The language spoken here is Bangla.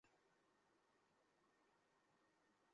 তোমরা কিস করেছো বললে?